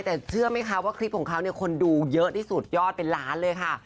แต่เชื่อไหมคะว่าคลิปของเขาเนี่ยคนดูเยอะที่สุดยอดเป็นล้านเลยค่ะ